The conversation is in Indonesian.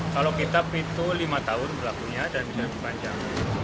kalau kitab itu lima tahun berlakunya dan bisa lebih panjang